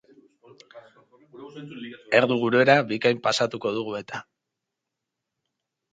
Erdu gurera bikain pasatuko dugu eta.